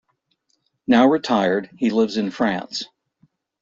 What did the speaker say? Now retired, he lives in France.